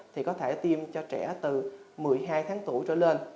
thì có thể tiêm cho trẻ từ một mươi hai tháng tuổi trở lên